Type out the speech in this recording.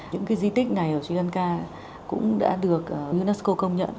những cái di tích này ở sri lanka cũng đã được unesco công nhận